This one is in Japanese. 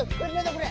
これ。